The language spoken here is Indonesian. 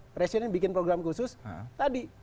presiden bikin program khusus tadi